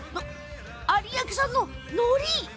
有明産の、のり。